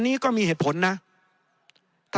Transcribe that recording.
ในทางปฏิบัติมันไม่ได้